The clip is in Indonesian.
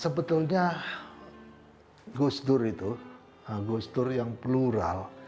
sebetulnya gustur itu gustur yang plural